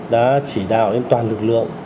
đã chỉ đạo đến toàn lực lượng